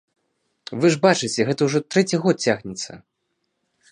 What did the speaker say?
Вы ж бачыце, гэта ўжо трэці год цягнецца.